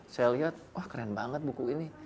saya lihat wah keren banget buku ini